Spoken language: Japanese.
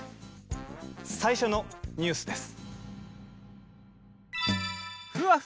最初のニュースです。